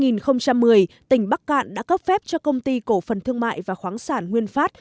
năm hai nghìn một mươi tỉnh bắc cạn đã cấp phép cho công ty cổ phần thương mại và khoáng sản nguyên phát